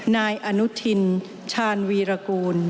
นายอนุทินชาญวีรกูล